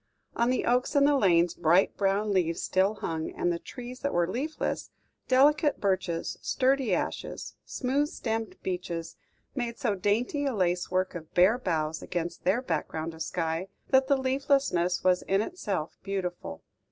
On the oaks in the lanes bright brown leaves still hung; and the trees that were leafless delicate birches, sturdy ashes, smooth stemmed beeches, made so dainty a lacework of bare boughs against their background of sky, that the leaflessness was in itself beautiful.